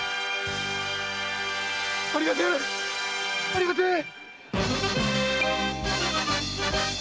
ありがてえありがてえ！